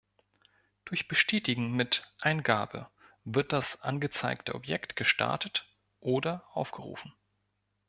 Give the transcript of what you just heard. Durch Bestätigen mit "Eingabe" wird das angezeigte Objekt gestartet oder aufgerufen.